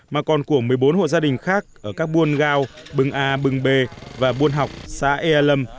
mà còn của một mươi bốn hộ gia đình khác ở các buôn gao bưng a bừng bê và buôn học xã ea lâm